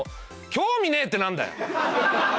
「興味ねえ」って何だよ！